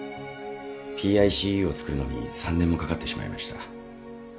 ＰＩＣＵを作るのに３年もかかってしまいました。